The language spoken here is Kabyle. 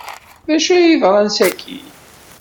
D acu ay yeḍran sakkin?